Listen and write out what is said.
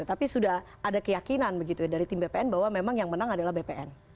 tapi sudah ada keyakinan begitu ya dari tim bpn bahwa memang yang menang adalah bpn